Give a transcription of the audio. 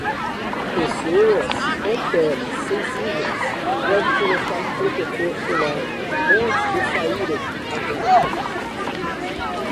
Pessoas com peles sensíveis devem colocar protetor solar antes de saírem à rua.